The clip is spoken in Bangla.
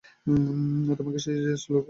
তোমাকে সেই যে শ্লোক শিখিয়ে দিয়েছিলাম সেইটে বলো।